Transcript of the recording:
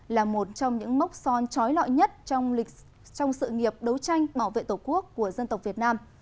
là một trong những mốc son trói lọi nhất trong sự nghiệp đấu tranh bảo vệ tổ quốc của dân tộc việt nam